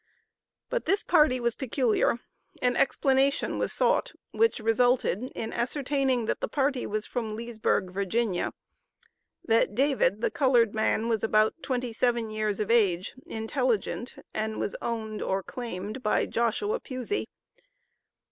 But this party was peculiar. An explanation was sought, which resulted in ascertaining that the party was from Leesburg, Virginia; that David, the colored man, was about twenty seven years of age, intelligent, and was owned, or claimed by Joshua Pusey.